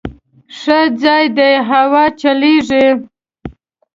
_ښه ځای دی، هوا چلېږي.